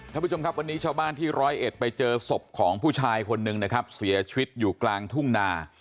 ท่านผู้ชมครับวันนี้ชาวบ้านที่ร้อยเอ็ดไปเจอศพของผู้ชายคนหนึ่งนะครับเสียชีวิตอยู่กลางทุ่งนา